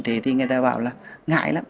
thì người ta bảo là ngại